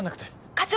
課長！